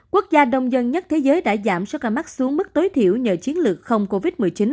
quốc gia đông dân nhất thế giới đã giảm số ca mắc xuống mức tối thiểu nhờ chiến lược không covid một mươi chín